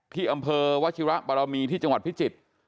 ที่อำเภอวชิระบารมีที่จังหวัดพิจิตร